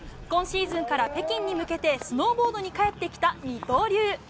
今シーズンから北京に向けてスノーボードに帰ってきた二刀流。